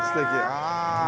ああ。